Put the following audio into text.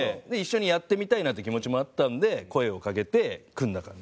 一緒にやってみたいなって気持ちもあったんで声を掛けて組んだ。